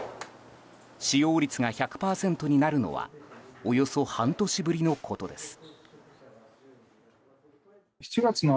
使用率が１００％になるのはおよそ半年ぶりのことです。